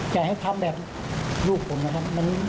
อยากให้ทั้งแบบลูกผมครับ